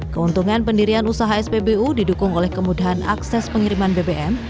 keuntungan pendirian usaha spbu didukung oleh kemudahan akses pengiriman bbm